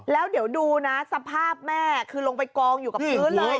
แล้วเดี๋ยวดูนะสภาพแม่คือลงไปกองอยู่กับพื้นเลย